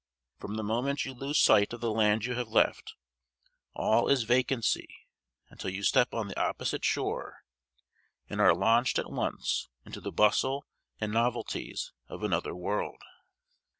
From the moment you lose sight of the land you have left, all is vacancy, until you step on the opposite shore, and are launched at once into the bustle and novelties of another world.